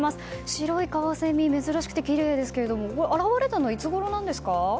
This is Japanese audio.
白いカワセミ珍しくてきれいですけども現れたのはいつごろなんですか。